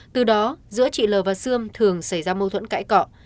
từ đó giữa chị l và sươm thường xảy ra mâu thuẫn cãi cọ